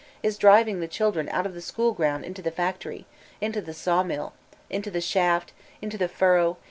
400 VOLTAIRINE DE ClEYSB b driving the children out of the schoolground into the factory, into the saw mill, into the shaft, into the furrow.